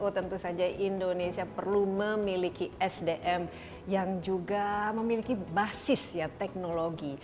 tentu saja indonesia perlu memiliki sdm yang juga memiliki basis ya teknologi